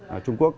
ở trung quốc